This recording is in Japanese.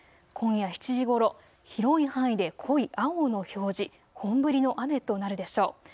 今夜７時ごろ、広い範囲で濃い青の表示、本降りの雨となるでしょう。